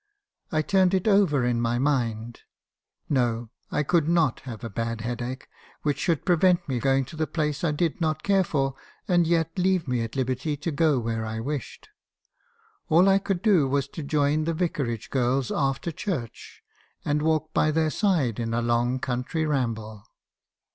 I turned it over in my mind. No! I could not have a bad headache, which should prevent me going to the place I did not care for, and yet leave me at liberty to go where I wished. All I could do was to join the vicarage girls after church , and walk by their side in a long country ramble.